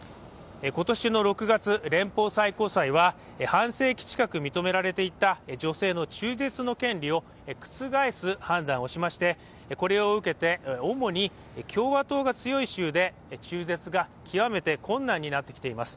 今年の６月、連邦最高裁は半世紀近く認められていた女性の中絶の権利を覆す判断をしまして、これを受けて主に共和党が強い州で中絶が極めて困難になってきています。